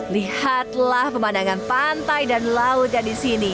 lihatlah pemandangan pantai dan lautnya di sini